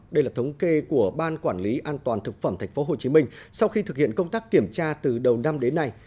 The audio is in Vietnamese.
đây là thống kê của ban quản lý an toàn thực phẩm tp hcm sau khi thực hiện công tác kiểm tra từ đầu năm đến nay